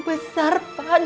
bukan caranya kita mau ganti